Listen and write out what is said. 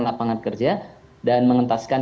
lapangan kerja dan mengentaskan